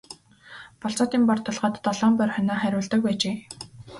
Болзоотын бор толгойд долоон бор хонио хариулдаг байжээ.